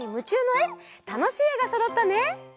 たのしいえがそろったね！